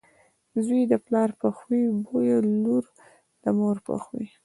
زوی دپلار په خوی بويه، لور دمور په خوی .